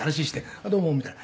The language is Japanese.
「あっどうも」みたいな。